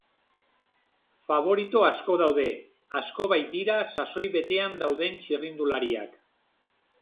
Faborito asko daude, asko baitira sasoi betean dauden txirrindulariak.